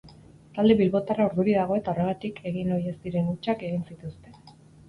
Talde bilbotarra urduri dago eta horregatik egin ohi ez diren hutsak egin zituzten.